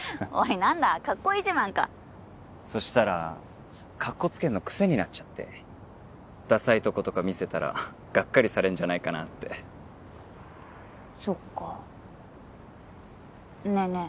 何だカッコいい自慢かそしたらカッコつけるのクセになっちゃってダサいとことか見せたらがっかりされんじゃないかなってそっかねえねえ